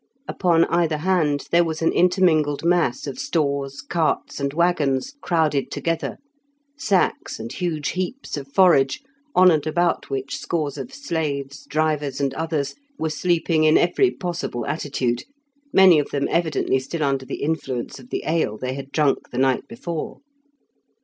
Upon either hand there was an intermingled mass of stores, carts, and waggons crowded together, sacks and huge heaps of forage, on and about which scores of slaves, drivers and others, were sleeping in every possible attitude, many of them evidently still under the influence of the ale they had drunk the night before.